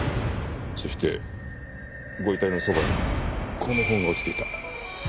そしてご遺体のそばにこの本が落ちていた。